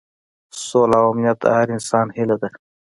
سوله او امنیت د هر انسان هیله ده.